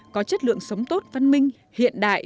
có chất lượng sống tốt văn minh hiện đại